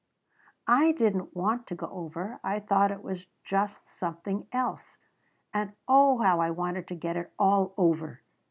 "I didn't want to go. I thought it was just something else. And oh how I wanted to get it all over!"